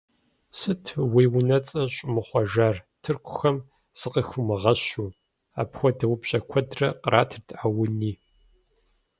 – Сыт уи унэцӀэр щӀумыхъуэжар, тыркухэм закъыхыумыгъэщу? – апхуэдэ упщӀэ куэдрэ къратырт Ауни.